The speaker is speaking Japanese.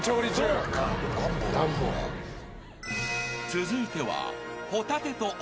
［続いては］